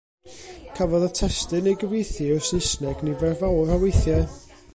Cafodd y testun ei gyfieithu i'r Saesneg nifer fawr o weithiau.